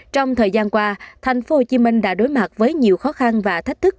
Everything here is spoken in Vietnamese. trong thời gian qua tp hcm đã đối mặt với nhiều khó khăn và thách thức